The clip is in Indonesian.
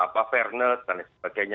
fairness dan lain sebagainya